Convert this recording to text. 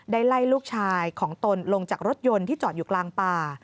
ได้ไล่ลูกชายของตนลงจากรถยนต์ที่จอดอยู่กลางป่า